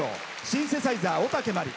シンセサイザー、尾竹麻里。